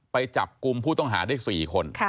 ไปจับกลุ่มผู้ต้องหาได้๔คน